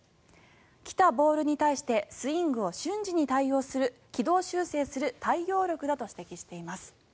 来たボールに対してスイングを瞬時に対応する軌道修正する対応力だと指摘しています。